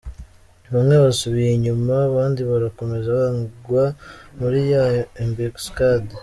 Bamwe basubiye inyuma, abandi barakomeza bagwa muri ya embuscade.